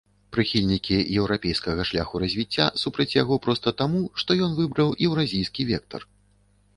Прыхільнікі еўрапейскага шляху развіцця супраць яго проста таму, што ён выбраў еўразійскі вектар.